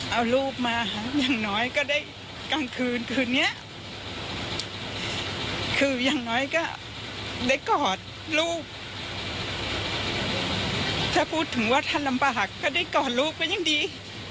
เอาลูกมาอย่างน้อยก็ได้กลางคืนคืนนี้คืออย่างน้อยก็ได้กอดลูกถ้าพูดถึงว่าท่านลำบากถ้าได้กอดลูกก็ยังดี